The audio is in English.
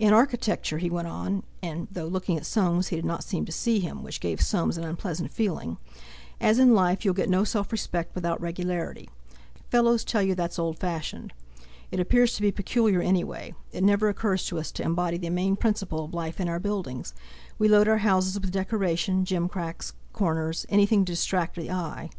"In architecture," he went on—and though looking at Soames he did not seem to see him, which gave Soames an unpleasant feeling—"as in life, you'll get no self respect without regularity. Fellows tell you that's old fashioned. It appears to be peculiar any way; it never occurs to us to embody the main principle of life in our buildings; we load our houses with decoration, gimcracks, corners, anything to distract the eye.